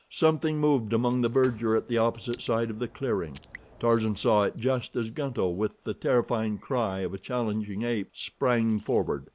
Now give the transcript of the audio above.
Something moved among the verdure at the opposite side of the clearing. Tarzan saw it just as Gunto, with the terrifying cry of a challenging ape, sprang forward.